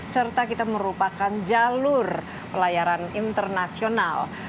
serta kita merupakan jalur pelayaran internasional